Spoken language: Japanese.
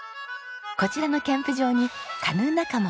こちらのキャンプ場にカヌー仲間